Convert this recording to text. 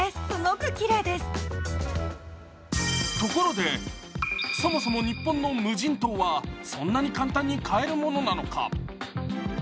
ところでそもそも日本の無人島はそんなに簡単に買えるものなのか？